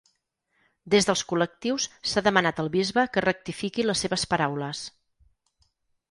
Des dels col·lectius s’ha demanat al bisbe que rectifiqui les seves paraules.